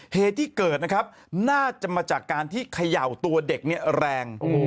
เหตุที่เกิดนะครับน่าจะมาจากการที่เขย่าตัวเด็กเนี่ยแรง